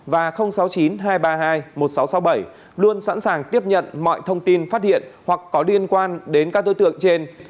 và sáu mươi chín hai trăm ba mươi hai một nghìn sáu trăm sáu mươi bảy luôn sẵn sàng tiếp nhận mọi thông tin phát hiện hoặc có liên quan đến các đối tượng trên